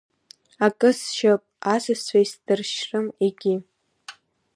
Акы сшьып, асасцәа исдыршьрым егьи.